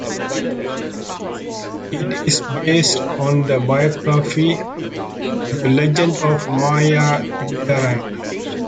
It is based on the biography "The Legend of Maya Deren".